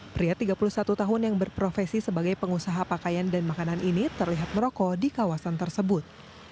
pria tiga puluh satu tahun yang berprofesi sebagai pengusaha pakaian dan makanan ini terlihat merokok di kawasan tersebut